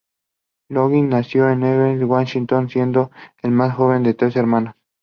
Loggins nació en Everett, Washington, siendo el más joven de tres hermanos.